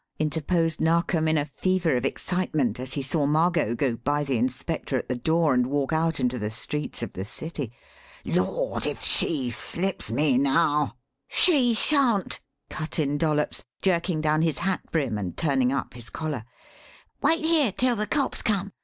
interposed Narkom, in a fever of excitement, as he saw Margot go by the inspector at the door and walk out into the streets of the city. "Lord! if she slips me now " "She shan't!" cut in Dollops, jerking down his hat brim and turning up his collar. "Wait here till the cops come.